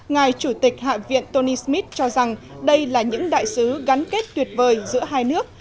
ngài chủ tịch hạ viện tony smith cho rằng đây là những đại sứ gắn kết tuyệt vời giữa hai nước